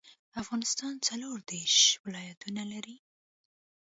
افغانستان څلور ديرش ولايتونه لري